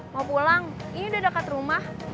mau pulang ini udah dekat rumah